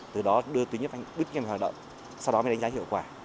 từ đó đưa tuyến nhấp anh bước ngay vào hoạt động sau đó mới đánh giá hiệu quả